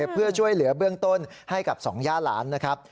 เพื่อช่วยเหลือเบื้องต้นให้กับสองย่าหลานนะครับ